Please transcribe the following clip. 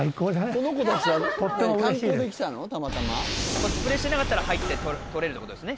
コスプレしてなかったら入って撮れるってことですね。